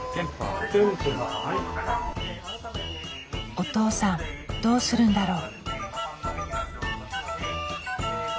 お父さんどうするんだろう？